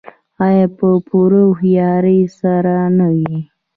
آیا په پوره هوښیارۍ سره نه وي؟